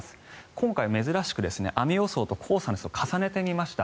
今回、珍しく雨予想と黄砂の予想を重ねてみました。